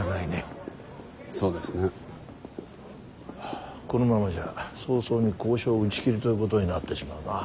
あこのままじゃ早々に交渉打ち切りということになってしまうな。